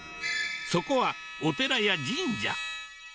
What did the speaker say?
そこはお寺や神社。